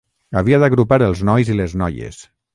Havia d'agrupar els nois i les noies.